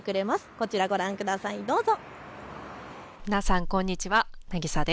こちらご覧ください、どうぞ。